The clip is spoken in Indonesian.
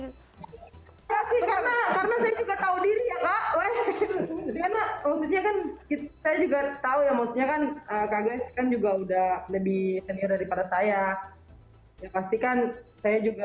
karena saya juga tahu diri ya kak weh maksudnya kan saya juga tahu ya maksudnya kan kak grace kan juga udah lebih senior daripada saya ya pastikan saya juga